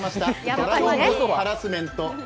ドラゴンズハラスメント。